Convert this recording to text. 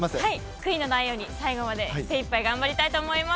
悔いのないように最後まで精いっぱい頑張りたいと思います。